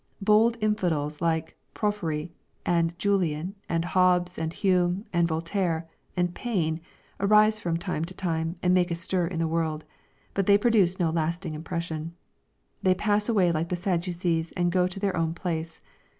Bold infidels like Porphyry, and Julian, and Hobbes, and Hume, and Voltaire, and Paine arise from time to time and make a stir in the world. But they produce no lasting impression. They pass away like the Sadducees and go to their own place.